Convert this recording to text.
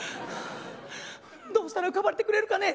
どうしたら浮かばれてくれるかね？」。